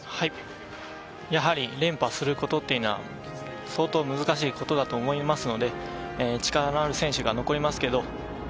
やはり連覇することというのが相当難しいことだと思うので、力のある選手が残ります。